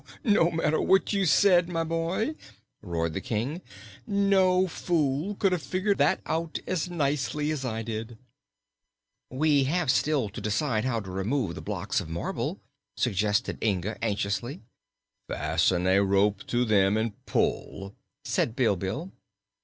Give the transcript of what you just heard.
"No matter what you said, my boy," roared the King. "No fool could have figured that out as nicely as I did." "We have still to decide how to remove the blocks of marble," suggested Inga anxiously. "Fasten a rope to them, and pull," said Bilbil.